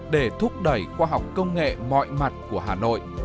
để thúc đẩy khoa học công nghệ mọi mặt của hà nội